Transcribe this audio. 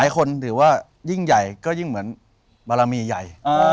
คนถือว่ายิ่งใหญ่ก็ยิ่งเหมือนบารมีใหญ่